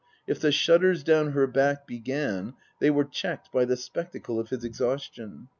If the shudders down her back began they were checked by the spectacle of his exhaustion.